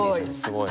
すごい。